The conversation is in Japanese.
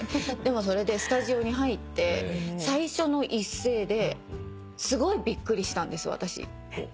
それでスタジオに入って最初の一声ですごいびっくりしたんです私。